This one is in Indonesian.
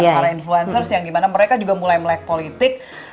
para influencers yang gimana mereka juga mulai melek politik